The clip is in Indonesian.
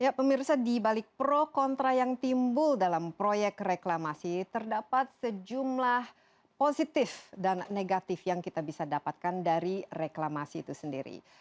ya pemirsa di balik pro kontra yang timbul dalam proyek reklamasi terdapat sejumlah positif dan negatif yang kita bisa dapatkan dari reklamasi itu sendiri